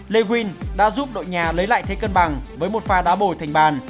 lewin đã giúp đội nhà lấy lại thế cân bằng với một pha đá bồi thành bàn